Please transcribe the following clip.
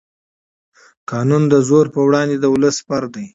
قانون د زور پر وړاندې د ولس سپر دی